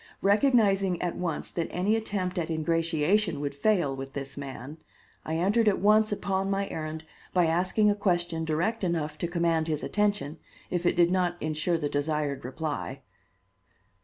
Recognizing at once that any attempt at ingratiation would fail with this man, I entered at once upon my errand by asking a question direct enough to command his attention, if it did not insure the desired reply.